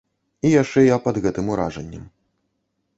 І яшчэ я пад гэтым уражаннем.